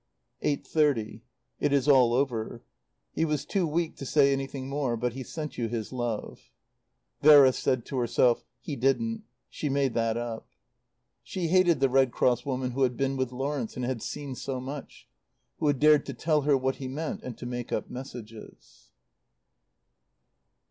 "8.30. It is all over. "He was too weak to say anything more. But he sent you his love." Vera said to herself: "He didn't. She made that up." She hated the Red Cross woman who had been with Lawrence and had seen so much; who had dared to tell her what he meant and to make up messages.